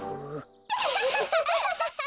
アハハハハ！